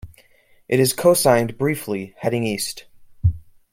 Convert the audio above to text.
It is co-signed briefly heading east.